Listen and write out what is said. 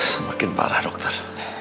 semakin parah dokter